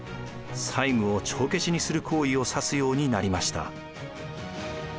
債務を帳消しにする行為を指すようになりました。